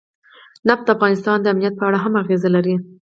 نفت د افغانستان د امنیت په اړه هم اغېز لري.